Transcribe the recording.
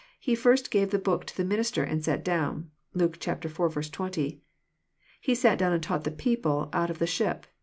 He first *' gave the b<>ok to the minister, and sat down." (Luke iv. 20.) *' He sat down and taught the people out of the ship."